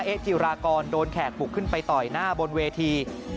จิรากรโดนแขกบุกขึ้นไปต่อยหน้าบนเวที